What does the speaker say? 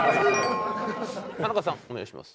田中さんお願いします。